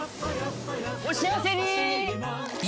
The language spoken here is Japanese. お幸せに！